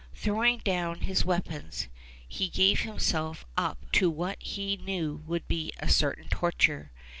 Throwing down his weapons, he gave himself up to what he knew would be certain torture.